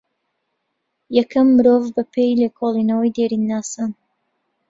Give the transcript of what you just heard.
یەکەم مرۆڤ بە پێێ لێکۆڵێنەوەی دێرین ناسان